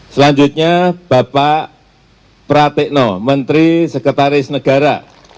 selanjutnya bapak pratikno menteri sekretaris negara